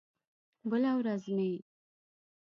بله ورځ مې